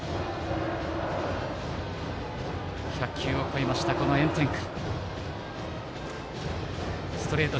１００球を超えた、この炎天下。